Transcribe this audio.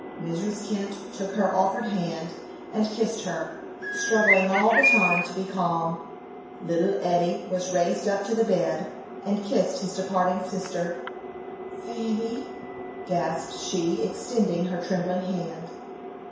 Mrs. Kent took her offered hand, and kissed her, struggling all the time to be calm. Little Eddy was raised up to the bed, and kissed his departing sister. "Fanny," gasped she, extending her trembling hand.